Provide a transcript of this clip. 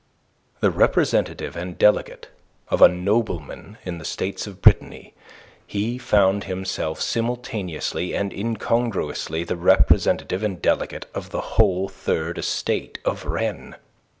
The representative and delegate of a nobleman in the States of Brittany, he found himself simultaneously and incongruously the representative and delegate of the whole Third Estate of Rennes.